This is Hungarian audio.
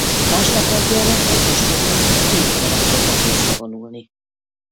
Másnap reggelre az ostromlók kénytelenek voltak visszavonulni.